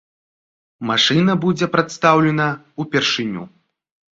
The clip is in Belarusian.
Машына будзе прадстаўлена ўпершыню.